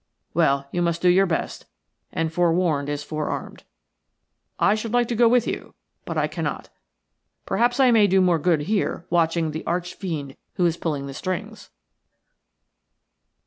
Well, you must do your best, and forewarned is forearmed. I should like to go with you, but I cannot. Perhaps I may do more good here watching the arch fiend who is pulling the strings."